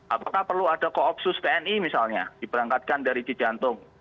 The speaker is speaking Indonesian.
apakah perlu ada koopsus tni misalnya diberangkatkan dari cijantung